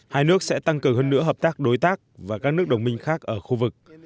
hai nước sẽ tăng cường hơn nữa hợp tác đối tác và các nước đồng minh khác ở khu vực